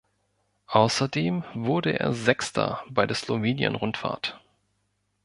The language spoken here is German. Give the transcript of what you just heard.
Außerdem wurde er Sechster bei der Slowenien-Rundfahrt.